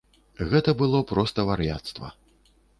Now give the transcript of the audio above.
Гэта было проста вар'яцтва!